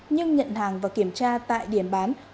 nhưng nhận hàng và kiểm tra tại điểm bán trực tuyến